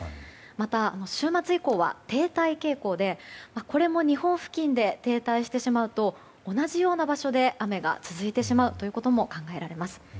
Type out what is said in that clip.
また週末以降は停滞傾向でこれも日本付近で停滞してしまうと同じような場所で雨が続いてしまうことも考えられます。